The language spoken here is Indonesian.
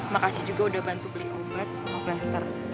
makasih juga udah bantu beli obat sama plaster